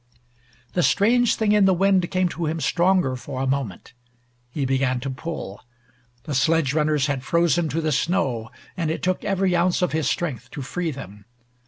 The strange thing in the wind came to him stronger for a moment. He began to pull. The sledge runners had frozen to the snow, and it took every ounce of his strength to free them.